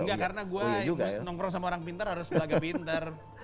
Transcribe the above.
engga karena gue nongkrong sama orang pintar harus belajar juga gitu ya